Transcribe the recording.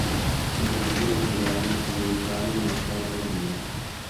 È il primo italiano a militare nella squadra romena.